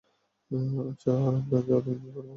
আচ্ছা, আমরা কি এখন অর্ডার করব?